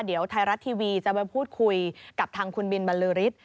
เดี๋ยวไทยรัฐทีวีจะไปพูดคุยกับทางคุณบินบรรลือฤทธิ์